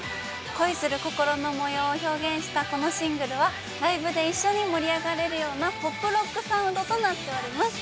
恋する心の模様を表現したこのシングルは、ライブで一緒に盛り上がれるようなポップロックサウンドになっています。